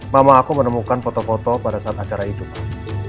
mama aku menemukan foto foto pada saat acara itu kan